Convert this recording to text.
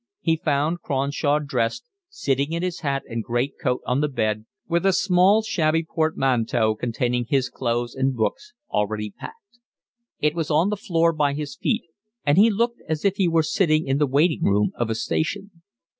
He found Cronshaw dressed, sitting in his hat and great coat on the bed, with a small, shabby portmanteau, containing his clothes and books, already packed: it was on the floor by his feet, and he looked as if he were sitting in the waiting room of a station.